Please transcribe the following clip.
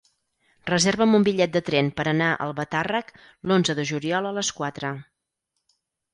Reserva'm un bitllet de tren per anar a Albatàrrec l'onze de juliol a les quatre.